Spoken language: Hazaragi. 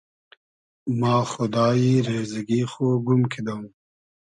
ما خودایی ریزئگی خو گوم کیدۉم